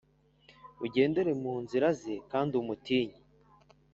ugendere mu nzira ze kandi umutinye.